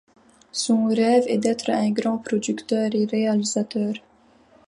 Son rêve est d'être un grand producteur et réalisateur.